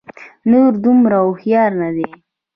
نور دومره هوښيار نه دي